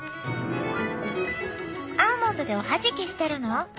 アーモンドでおはじきしてるの？